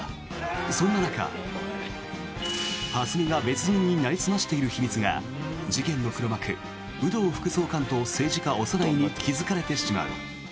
そんな中、蓮見が別人になりすましている秘密が事件の黒幕・有働副総監と政治家・小山内に気付かれてしまう。